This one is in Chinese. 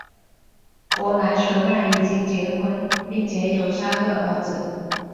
弗莱舍曼已经结婚并且有三个儿子。